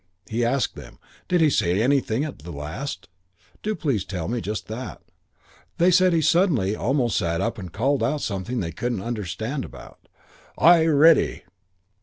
He asked them, 'Did he say anything at the last? Do please tell me just that.' They said he suddenly almost sat up and called out something they couldn't understand about, 'Ay, ready!'